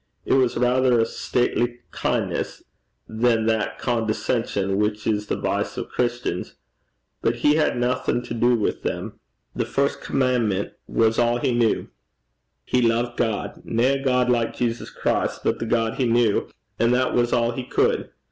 It was raither a stately kin'ness than that condescension which is the vice o' Christians. But he had naething to do wi' them. The first comman'ment was a' he kent. He loved God nae a God like Jesus Christ, but the God he kent and that was a' he could.